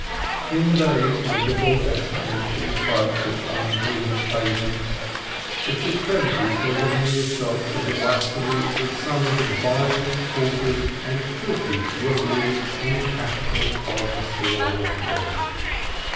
In the days when little Esther Ansell trudged its unclean pavements, its extremities were within earshot of the blasphemies from some of the vilest quarters and filthiest rookeries in the capital of the civilized world.